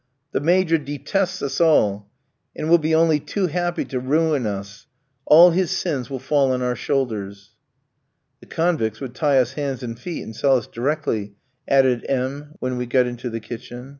The Major detests us all, and will be only too happy to ruin us; all his sins will fall on our shoulders." "The convicts would tie us hands and feet and sell us directly," added M tski, when we got into the kitchen.